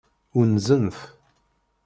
Unzent.